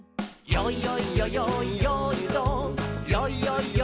「よいよいよよいよーいドン」